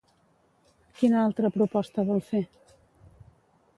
Quina altra proposta vol fer?